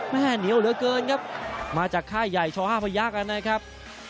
แม่เหนียวเหลือเกินครับมาจากค่ายใหญ่ช่อห้าพระยากันนะครับ